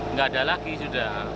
nggak ada lagi sudah